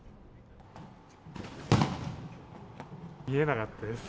見えなかったです。